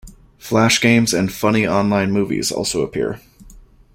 Flash games and funny online movies also appear.